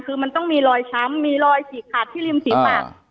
คือมันต้องมีรอยช้ำมีรอยฉีกขาดที่ริมฝีปาก